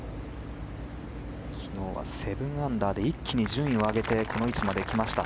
昨日は７アンダーで一気に順位を上げてこの位置まで来ました